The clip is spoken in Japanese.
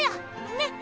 ねっ。